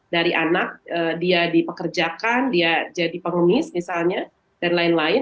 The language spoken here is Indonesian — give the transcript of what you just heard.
dari anak dia dipekerjakan dia jadi pengemis misalnya dan lain lain